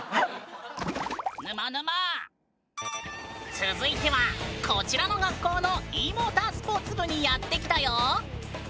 続いてはこちらの学校のｅモータースポーツ部にやって来たよ！